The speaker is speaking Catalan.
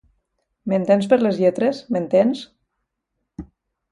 M'entens per les lletres, m'entens?